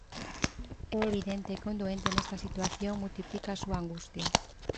É evidente que un doente nesta situación multiplica a súa angustia.